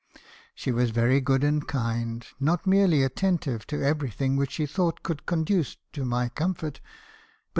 " She was very good and kind ; not merely attentive to every thing which she thought could conduce to my comfort, but 264 ME.